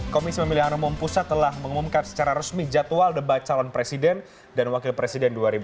komisi pemilihan umum pusat telah mengumumkan secara resmi jadwal debat calon presiden dan wakil presiden dua ribu sembilan belas